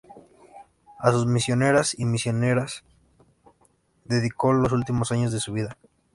A sus misioneras y misioneras dedicó los últimos años de su vida.